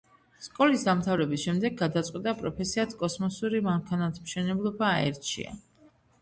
სკოლის დამთავრების შემდეგ გადაწყვიტა პროფესიად კოსმოსური მანქანათმშენებლობა აერჩია.